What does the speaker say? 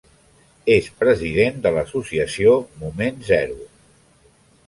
És president de l'associació Moment Zero.